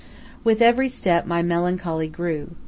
With every step my melancholy grew.